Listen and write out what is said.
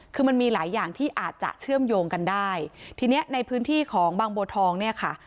คือมันมีหลายอย่างที่อาจจะเชื่อมโยงกันได้ทีเนี้ยในพื้นที่ของบางบัวทองเนี่ยค่ะ